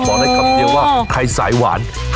หมอนั่นคำเดียวว่าใครสายหวาน